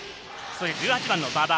１８番の馬場。